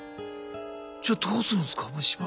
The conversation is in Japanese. じゃあどうするんすか虫歯。